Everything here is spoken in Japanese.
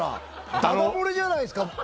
だだ漏れじゃないですか！